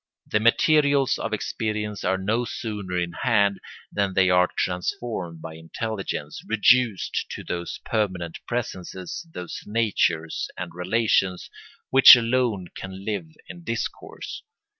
The materials of experience are no sooner in hand than they are transformed by intelligence, reduced to those permanent presences, those natures and relations, which alone can live in discourse.